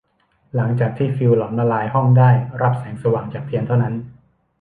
หลังจากที่ฟิวส์หลอมละลายห้องได้รับแสงสว่างจากเทียนเท่านั้น